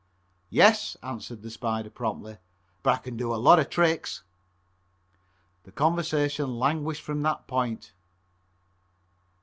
"Yes," answered the "Spider" promptly, "but I kin do a lot of tricks." The conversation languished from this point.